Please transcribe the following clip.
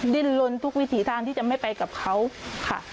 ดิ้นลนทุกวิถีทางที่จะไม่ไปกับเขาค่ะ